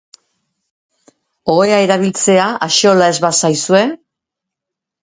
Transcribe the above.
Ohea erabiltzea axola ez bazaizue...